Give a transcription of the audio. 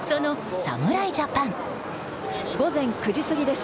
午前９時過ぎです。